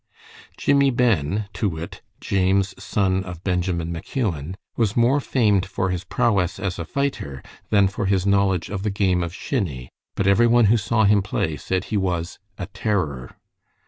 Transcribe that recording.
Jimmie Ben, to wit, James son of Benjamin McEwen, was more famed for his prowess as a fighter than for his knowledge of the game of shinny, but every one who saw him play said he was "a terror."